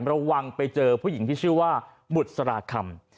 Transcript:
ระวังไปเจอผู้หญิงที่ชื่อว่าบุษราคำ